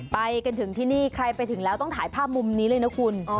ไปกันถึงที่นี่ใครไปถึงแล้วต้องถ่ายภาพมุมนี้เลยนะคุณ